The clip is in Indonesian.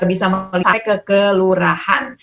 bisa mencapai ke kelurahan